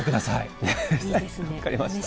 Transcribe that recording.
分かりました。